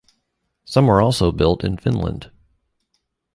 Some were also built in Finland.